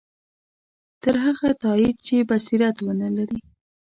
تر هغه تایید چې بصیرت ونه لري.